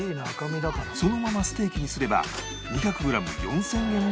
そのままステーキにすれば２００グラム４０００円は下らない